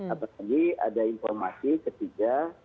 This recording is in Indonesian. apakah ini ada informasi ketiga